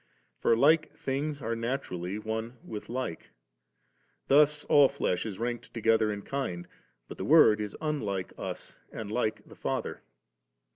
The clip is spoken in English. For like things are naturally one with like ; thus all flesh is ranked together in kind '; but the Word is unlike us and like the Father.